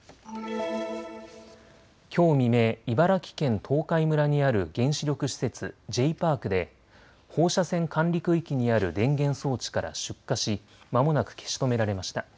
きょう未明、茨城県東海村にある原子力施設、Ｊ−ＰＡＲＣで放射線管理区域にある電源装置から出火しまもなく消し止められました。